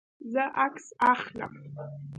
زه عکس اخلم